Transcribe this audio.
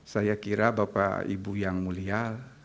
saya kira bapak ibu yang mulia